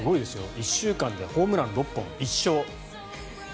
１週間でホームラン６本、１勝。